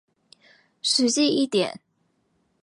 實際一點